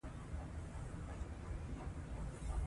که ډریور هوښیار وي نو ټکر نه کیږي.